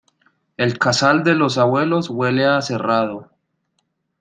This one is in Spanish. El casal de los abuelos huele a cerrado.